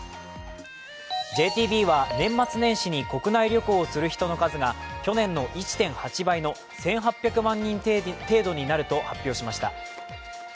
ＪＴＢは年末年始に国内旅行をする人の数が去年の１．８倍の１８００万人程度になると発表しました。